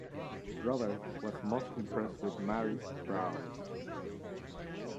Robert was most impressed with Mary's prowess.